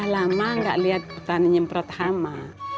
lama nggak lihat petani nyemprot hama